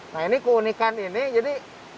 nah ini keunikan ini jadi